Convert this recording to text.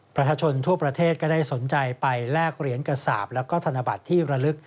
ประชาชนทั่วประเทศก็ได้สนใจไปแลกเหรียญกระสาปแล้วก็ธนบัตรที่ระลึก